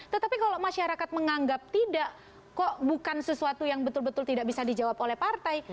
tetapi kalau masyarakat menganggap tidak kok bukan sesuatu yang betul betul tidak bisa dijawab oleh partai